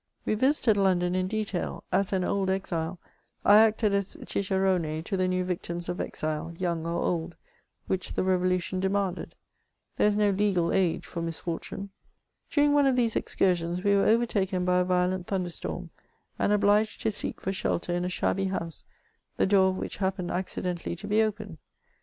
We visited London in detail ; as an old exile, I acted as cicerone to the new victims of exile, young or old, which the Revolution demanded ; there is no legal age for misfortune. Dining one of these excursions, we were overtaken by a violent thunder storm, and obliged to seek for shelter in a shabby house, the door of which happened accidentally to be open.